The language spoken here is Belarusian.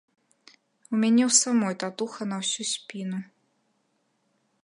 У мяне ў самой татуха на ўсю спіну.